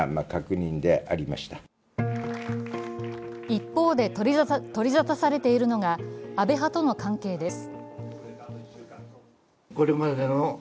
一方で取り沙汰されているのが安倍派との関係です。